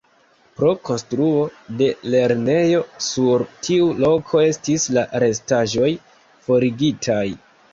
Pro konstruo de lernejo sur tiu loko estis la restaĵoj forigitaj.